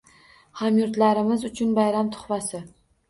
Hamyurtlarimiz uchun bayram tuhfasi